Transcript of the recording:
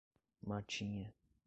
Matinha